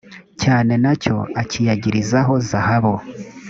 cyane na cyo akiyagirizaho zahabu